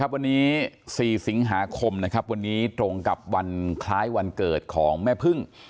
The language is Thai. วันนี้๔สิงหาคมวันนี้ตรงกับวันคล้ายวันเกิดของแม่พึ่ง